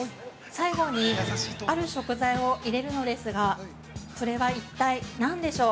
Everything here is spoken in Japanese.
最後にある食材を入れるのですがそれは一体何でしょう？